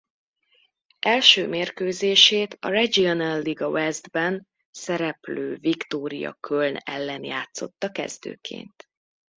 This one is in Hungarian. Első mérkőzését a Regionalliga Westben szereplő Viktoria Köln ellen játszotta kezdőként.